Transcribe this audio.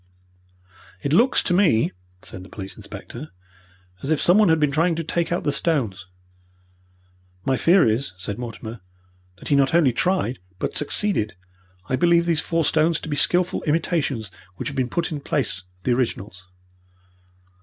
"It looks to me," said the police inspector, "as if someone had been trying to take out the stones." "My fear is," said Mortimer, "that he not only tried, but succeeded. I believe these four stones to be skilful imitations which have been put in the place of the originals."